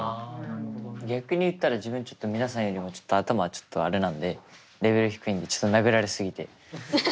逆に言ったら自分ちょっと皆さんよりもちょっと頭あれなんでレベル低いんでちょっと殴られ過ぎて。